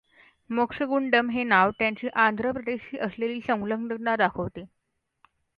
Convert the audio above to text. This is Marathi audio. मोक्षगुंडम हे नाव त्यांची आंध्र प्रदेशशी असलेली संलग्नता दाखवते.